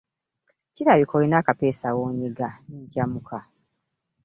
Kirabika olina akapeesa w'onyiga ne nkyamuka.